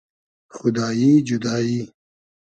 خودایی جودایی